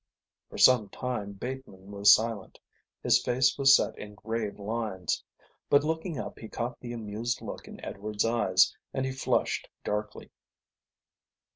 For some time Bateman was silent. His face was set in grave lines. But looking up he caught the amused look in Edward's eyes, and he flushed darkly.